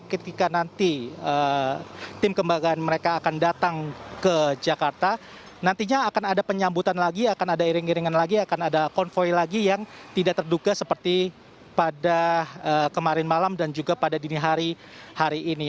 ketika nanti tim kembagaan mereka akan datang ke jakarta nantinya akan ada penyambutan lagi akan ada iring iringan lagi akan ada konvoy lagi yang tidak terduga seperti pada kemarin malam dan juga pada dini hari ini